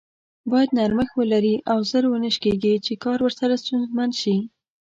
بايد نرمښت ولري او زر و نه شکیږي چې کار ورسره ستونزمن شي.